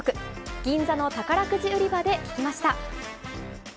銀座の宝くじ売り場で聞きました。